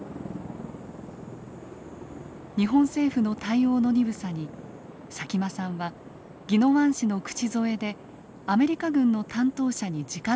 日本政府の対応の鈍さに佐喜眞さんは宜野湾市の口添えでアメリカ軍の担当者にじか談判。